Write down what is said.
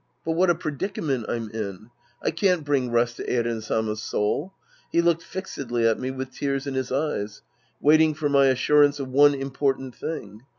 But what a predicament I'm in. I can't bring rest to Eiren Sama's soul. He looked fixedly at me with tears in his eyes. Waiting for my assurance of one im portant thing.